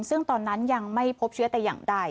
ซึ่งตอนนั้นยังไม่พบเชื้อแต่อย่างใด